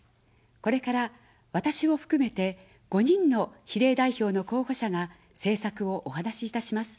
これから、私を含めて５人の比例代表の候補者が政策をお話いたします。